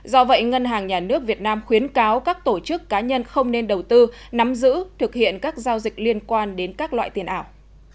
do vậy ngân hàng nhà nước việt nam khuyến cáo các tổ chức cá nhân không nên đầu tư nắm giữ thực hiện các giao dịch liên quan đến các loại tiền ảo